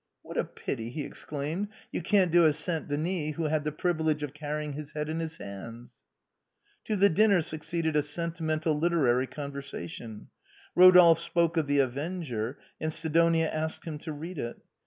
" What a pity," he exclaimed, " you can't do as St. Denis, who had the privilege of carrying his" head in his hands !" To the dinner succeeded a sentimental literary conversa 62 THE BOHEMIANS OF THE LATIN QUAKTEE. tion. Rodolphe spoke of " The Avenger/' and Sidonia asked him to read it.